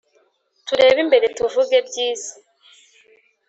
Turebe imbere tuvuge byiza